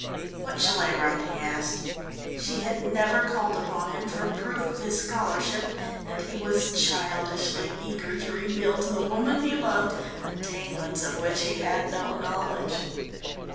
"What shall I write?" he asked. She had never called upon him for proof of his scholarship, and he was childishly eager to reveal to the woman he loved attainments of which he had no knowledge.